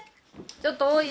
ちょっと多いよ。